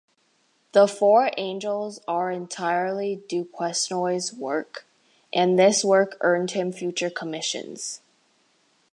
The four angels are entirely Duquesnoy's work, and this work earned him future commissions.